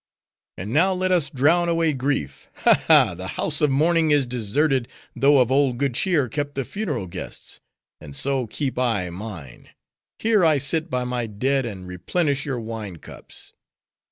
And now let us drown away grief. Ha! ha! the house of mourning, is deserted, though of old good cheer kept the funeral guests; and so keep I mine; here I sit by my dead, and replenish your wine cups.